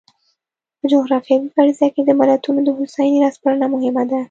په جغرافیوي فرضیه کې د ملتونو د هوساینې را سپړنه مهمه ده.